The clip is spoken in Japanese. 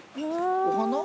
お花？